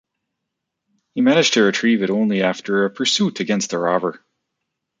He managed to retrieve it only after a pursuit against the robber.